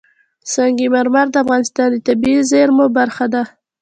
سنگ مرمر د افغانستان د طبیعي زیرمو برخه ده.